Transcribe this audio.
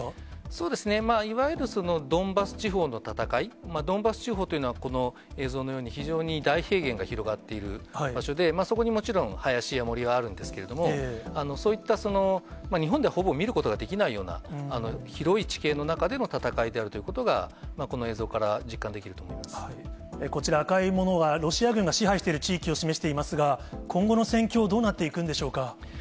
そうですね、いわゆるドンバス地方の戦い、ドンバス地方というのは、この映像のように、非常に大平原が広がっている場所で、そこにもちろん林や森があるんですけれども、そういった日本ではほぼ見ることができないような広い地形の中での戦いであるということが、この映像から実感できると思いまこちら、赤いものはロシア軍が支配している地域を示していますが、今後の戦況、どうなっていくんでしょうか？